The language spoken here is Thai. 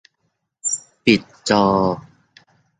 ปิดจอ